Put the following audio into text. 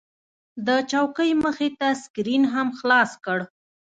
د چوکۍ مخې ته سکرین مې خلاص کړ.